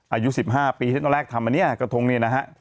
อายุสิบห้าปีเจ้าหน้าแรกทำแบบเนี้ยกระทงเนี่ยนะฮะ